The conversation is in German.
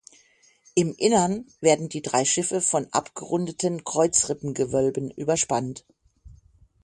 Im Innern werden die drei Schiffe von abgerundeten Kreuzrippengewölben überspannt.